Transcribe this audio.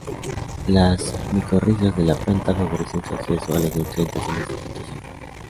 Las micorrizas de la planta favorecen su acceso a los nutrientes en esta situación.